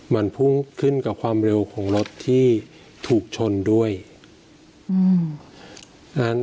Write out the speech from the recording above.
มันพุ่งขึ้นกับความเร็วของรถที่ถูกชนด้วยอืมอ่า